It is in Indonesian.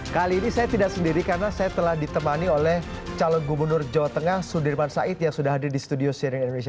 kali ini saya tidak sendiri karena saya telah ditemani oleh calon gubernur jawa tengah sudirman said yang sudah hadir di studio cnn indonesia